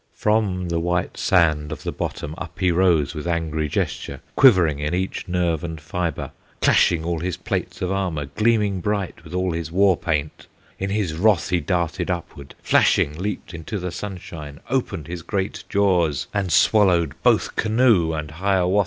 From the white sand of the bottom Up he rose with angry gesture, Quivering in each nerve and fibre, Clashing all his plates of armor, Gleaming bright with all his war paint; In his wrath he darted upward, Flashing leaped into the sunshine, Opened his great jaws, and swallowed Both canoe and Hiawatha.